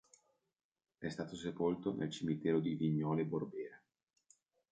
È stato sepolto nel cimitero di Vignole Borbera.